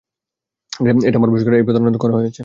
এটা আমার পুরষ্কার, এই প্রতারণা করা হয়েছে।